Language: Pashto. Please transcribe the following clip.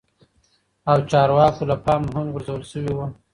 او چارواکو له پا مه هم غور ځول شوي وه